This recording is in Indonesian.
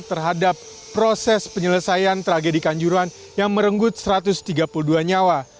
terhadap proses penyelesaian tragedi kanjuruan yang merenggut satu ratus tiga puluh dua nyawa